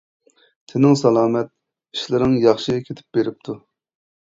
تېنىڭ سالامەت، ئىشلىرىڭ ياخشى كېتىپ بېرىپتۇ.